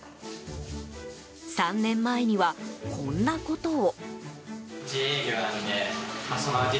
３年前には、こんなことを。